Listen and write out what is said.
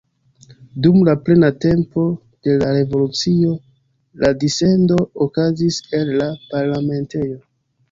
Dum plena tempo de la revolucio la dissendo okazis el la parlamentejo.